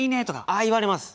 ああ言われます。